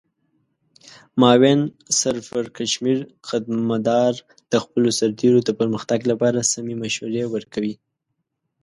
معاون سرپرکمشر قدمدار د خپلو سرتیرو د پرمختګ لپاره سمې مشورې ورکوي.